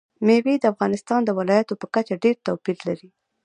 مېوې د افغانستان د ولایاتو په کچه ډېر توپیر لري.